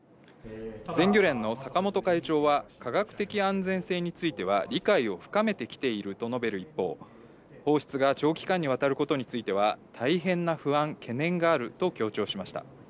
全漁連の坂本会長は、科学的安全性については理解を深めてきていると述べる一方、放出が長期間にわたることについては、大変な不安、懸念があると強調しました。